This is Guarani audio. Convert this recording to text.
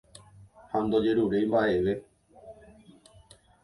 Ha ndojeruréi mba'eve